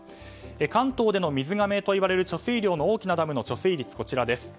関東の水がめといわれる貯水量の大きなダムの貯水率です。